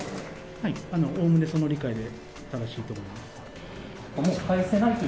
おおむねその理解で正しいと思います。